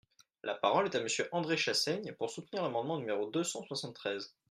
La parole est à Monsieur André Chassaigne, pour soutenir l’amendement numéro deux cent soixante-treize.